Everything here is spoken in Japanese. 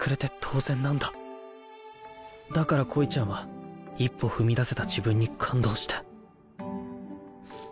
だから恋ちゃんは一歩踏み出せた自分にうぅ。